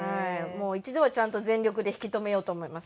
一度はちゃんと全力で引き留めようと思います。